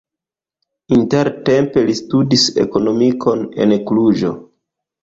Intertempe li studis ekonomikon en Kluĵo.